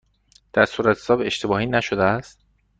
در صورتحساب اشتباهی نشده است؟